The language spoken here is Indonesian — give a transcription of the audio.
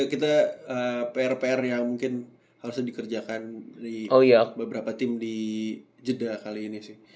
kita pr pr yang mungkin harusnya dikerjakan di beberapa tim di jeddah kali ini sih